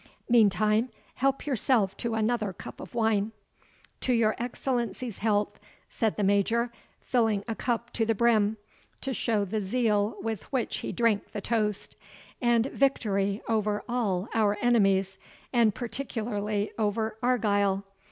Meantime, help yourself to another cup of wine." "To your Excellency's health," said the Major, filling a cup to the brim, to show the zeal with which he drank the toast, "and victory over all our enemies, and particularly over Argyle!